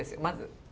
まず。